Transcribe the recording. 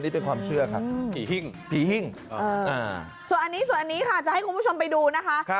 นี่เป็นความเชื่อผีหิ่งส่วนอันนี้ค่ะจะให้คุณผู้ชมไปดูนะคะ